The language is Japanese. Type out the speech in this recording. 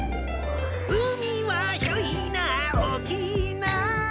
「うみはひろいな大きいな」